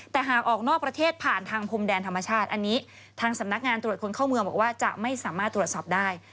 แต่หากออกนอกประเทศผ่านทางพรมแดนธรรมชาติอันนี้ทางสำนักงานตรวจคนเข้าเมืองบอกว่าจะไม่สามารถตรวจสอบได้